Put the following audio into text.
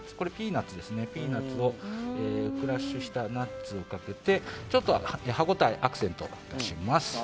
ピーナツをクラッシュしたナッツをかけてちょっと歯ごたえアクセントにします。